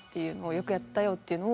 「よくやったよ」っていうのを。